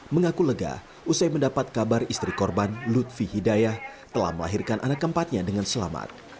mengaku lega usai mendapat kabar istri korban lutfi hidayah telah melahirkan anak keempatnya dengan selamat